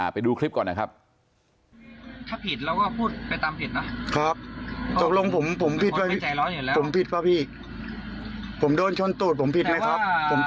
ไปดูคลิปก่อนนะครับ